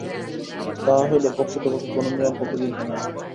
তাহা হইলে প্রকৃতপক্ষে কোন নিয়ম প্রকৃতিতে নাই।